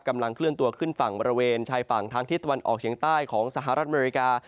กำลังเคลื่อนตัวขึ้นฝั่งบริเวณชายฝั่งทางทิศตะวันออกเฉียงใต้ของสหรัฐอเมริกา